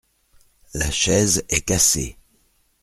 La chaise est cassée.